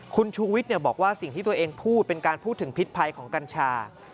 คุณชูวิทย์บอกว่าสิ่งที่ตัวเองพูดเป็นการพูดถึงพิษภัยของกัญชา